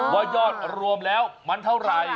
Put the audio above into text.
ว่ายอดรวมแล้วมันเท่าไหร่